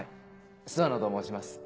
諏訪野と申します